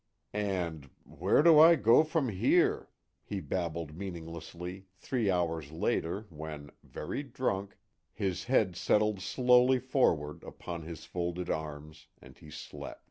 And, "Where do I go from here?" he babbled meaninglessly, three hours later when, very drunk, his head settled slowly forward upon his folded arms, and he slept.